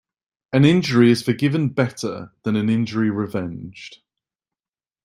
An injury is forgiven better than an injury revenged.